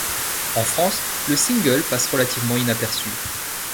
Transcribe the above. En France, le single passe relativement inaperçu.